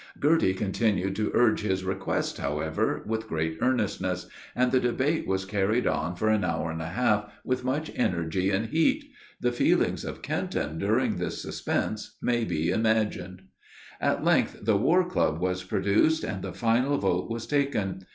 Girty continued to urge his request, however, with great earnestness, and the debate was carried on for an hour and a half, with much energy and heat. The feelings of Kenton during this suspense may be imagined. At length the warclub was produced, and the final vote was taken.